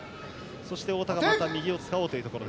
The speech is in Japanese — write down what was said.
太田がまた右を使おうというところ。